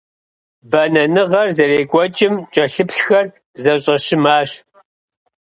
Бэнэныгъэр зэрекӀуэкӀым кӀэлъыплъхэр зэщӀэщымащ.